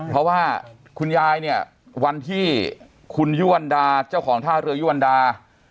เพราะว่าคุณยายเนี่ยวันที่คุณยุวันดาเจ้าของท่าเรือยุวรรดา